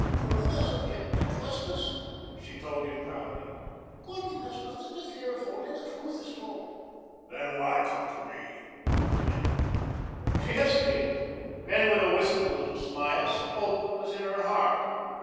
"None of us object to justice," she told him proudly. "Gordon has nothing to fear if only the truth is told." "Then why come to me?" he demanded. She hesitated; then with a wistful little smile, spoke what was in her heart.